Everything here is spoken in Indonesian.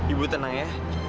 ibu tenang ya